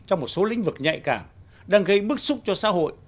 trong một số lĩnh vực nhạy cảm đang gây bức xúc cho xã hội